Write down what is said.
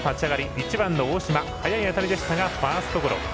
１番の大島、早い当たりでしたがファーストゴロ。